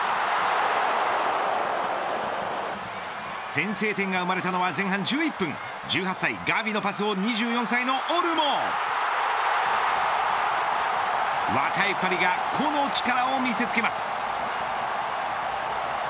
先制点が生まれたのは前半１１分１８歳ガヴィのパスを２４歳のオルモ若い２人が個の力を見せつけます。